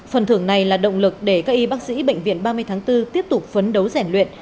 phần thưởng này là động lực để các y bác sĩ bệnh viện ba mươi tháng bốn tiếp tục phấn đấu rèn luyện